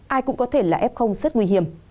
ai cũng có thể là f rất nguy hiểm